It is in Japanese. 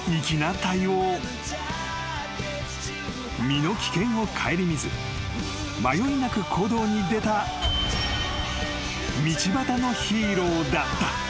［身の危険を顧みず迷いなく行動に出た道端のヒーローだった］